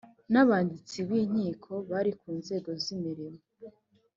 n abanditsi b inkiko bari ku nzego z imirimo